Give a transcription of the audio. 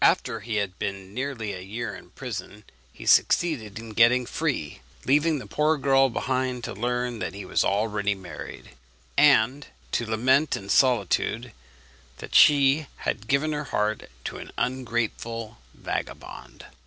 After he had been nearly a year in prison he succeeded in getting free, leaving the poor girl behind to learn that he was already married, and to lament in solitude that she had given her heart to an ungrateful vagabond.